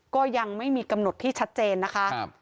ก็ยังไม่มีกำหนดที่ชัดเจนนะคะ